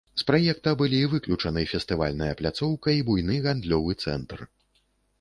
З праекта былі выключаны фестывальная пляцоўка і буйны гандлёвы цэнтр.